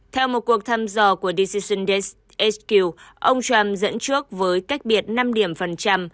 theo một cuộc thăm dò của decision hq ông trump dẫn trước với cách biệt năm điểm phần trăm